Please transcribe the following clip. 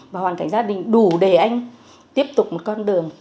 và hoàn cảnh gia đình đủ để anh tiếp tục một con đường